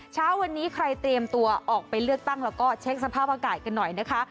เช้าวันนี้ใครเตรียมตัวออกไปเลือกตั้งแล้วก็เช็คสภาพอากาศกันหน่อยนะคะ